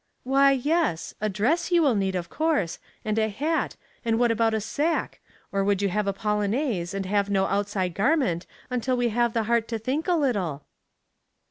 " Why, yes. A dress you will need, of course, and a hat, and what about a sack, or would you have a polonaise, and have no outside garment, until we have the heart to think a little